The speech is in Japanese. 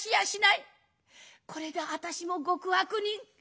これで私も極悪人。